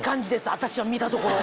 私が見たところ。